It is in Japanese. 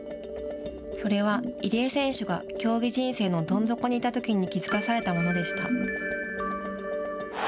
それは入江選手が競技人生のどん底にいたときに気付かされたものでした。